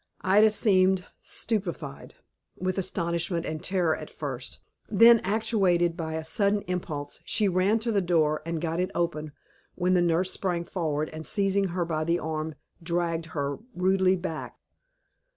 Ida seemed stupefied with astonishment and terror at first. Then, actuated by a sudden impulse, she ran to the door, and had got it open when the nurse sprang forward, and seizing her by the arm, dragged her rudely back.